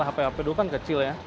hp hp dulu kan kecil ya